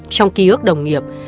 trong ký ức đồng nghiệp